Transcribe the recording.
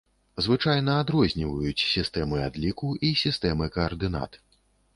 Звычайна адрозніваюць сістэмы адліку і сістэмы каардынат.